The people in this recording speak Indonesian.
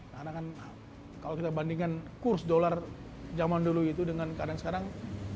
karena kalau kita bandingkan kursus dolar zaman dulu itu dengan keadaan sekarang